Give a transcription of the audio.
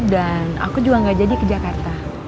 dan aku juga gak jadi ke jakarta